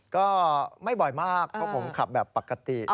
ก็ไม่บ่อยมากเพราะผมขับแบบปกติ